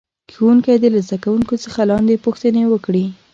ښوونکی دې له زده کوونکو څخه لاندې پوښتنې وکړي.